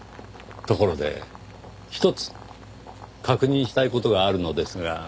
ところでひとつ確認したい事があるのですが。